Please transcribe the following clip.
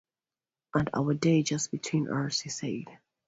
“And our day — just between us,” he said.